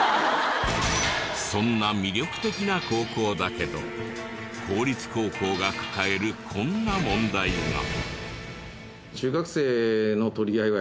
そんな魅力的な高校だけど公立高校が抱えるこんな問題が。